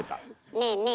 ねえねえ